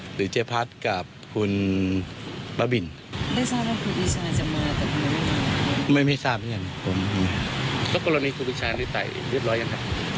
หรือเจภัฐกับคุณบะบินได้ทราบว่าครูปีชาจะมาไม่ใช่ทราบอย่างงั้น